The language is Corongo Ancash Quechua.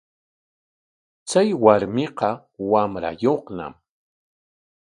Chay warmiqa wamrayuqñam.